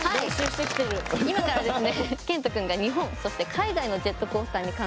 今からですね